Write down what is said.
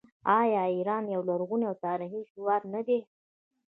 آیا ایران یو لرغونی او تاریخي هیواد نه دی؟